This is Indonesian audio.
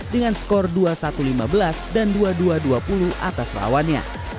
dengan skor dua satu lima belas dan dua dua dua puluh atas lawannya